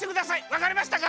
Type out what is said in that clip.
わかりましたか？